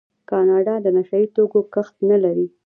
کاناډا د نشه یي توکو کښت نلري.